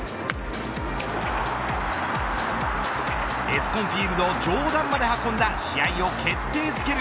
エスコンフィールド上段まで運んだ試合を決定づける